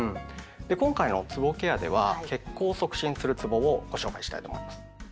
今回のつぼケアでは血行を促進するつぼをご紹介したいと思います。